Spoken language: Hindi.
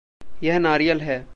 यह नारियल है।